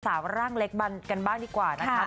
ร่างเล็กบันกันบ้างดีกว่านะคะ